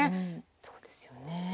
そうですよね。